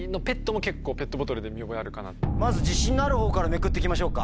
まず自信のあるほうからめくって行きましょうか。